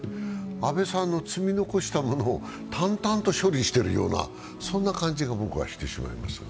安倍さんの積み残したものを淡々と処理しているような感じが僕はしてしまいますが